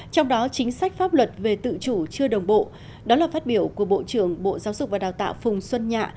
trong đó chính sách pháp luật về tự chủ chưa đồng bộ đó là phát biểu của bộ trưởng bộ giáo dục và đào tạo phùng xuân nhạ